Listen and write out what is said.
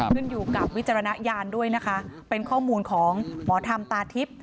ขึ้นอยู่กับวิจารณญาณด้วยนะคะเป็นข้อมูลของหมอธรรมตาทิพย์